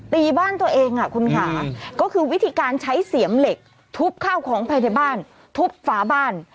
ตีบ้านตัวเองคุณค่ะก็คือวิธีการใช้เสียมเหล็กทุบข้าวของภายในบ้านทุบฝาบ้าน